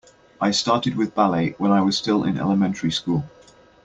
I started with ballet when I was still in elementary school.